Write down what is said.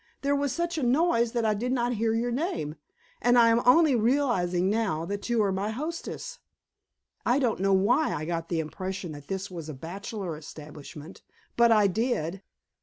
There was such a noise that I did not hear your name, and I am only realizing now that you are my hostess! I don't know why I got the impression that this was a bachelor establishment, but I did.